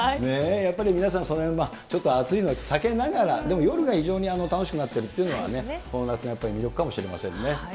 やっぱり皆さん、そのへんはちょっと暑いのは避けながら、でも夜が非常に楽しくなっているというのは、この夏、やっぱり魅力かもしれませんね。